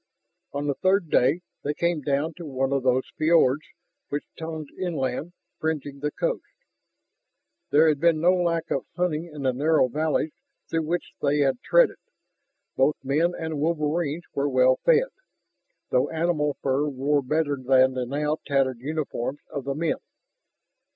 On the third day they came down to one of those fiords which tongued inland, fringing the coast. There had been no lack of hunting in the narrow valleys through which they had threaded, so both men and wolverines were well fed. Though animal fur wore better than the now tattered uniforms of the men.